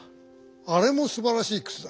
あれもすばらしいくつだ。